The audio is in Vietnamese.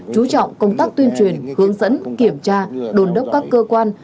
chú trọng công tác tuyên truyền hướng dẫn kiểm tra đồn đốc các cơ quan